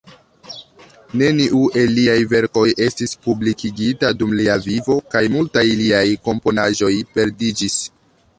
Neniu el liaj verkoj estis publikigita dum lia vivo, kaj multaj liaj komponaĵoj perdiĝis.